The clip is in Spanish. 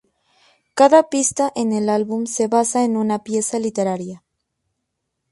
Cada pista en el álbum se basa en una pieza de literatura.